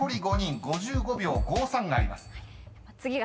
［５５秒５３あります］